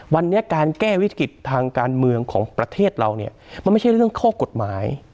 วันนี้การแก้วิกฤติทางการเมืองของประเทศเราเนี่ยมันไม่ใช่เรื่องข้อกฎหมาย